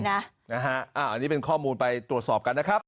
อันนี้เป็นข้อมูลไปตรวจสอบกันนะครับ